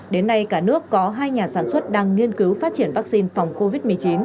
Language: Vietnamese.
đến nay cả nước có hai nhà sản xuất đang nghiên cứu phát triển vaccine phòng covid một mươi chín